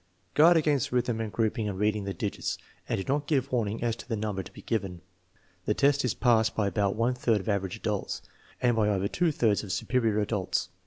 Guard against rhythm and grouping in reading the digits and do not give warning as to the number to be given. The test is passed by about one third of " average adults " and by over two thirds of " superior adults."